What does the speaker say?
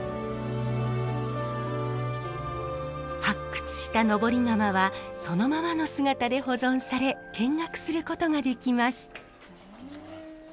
発掘した登り窯はそのままの姿で保存され見学することができます。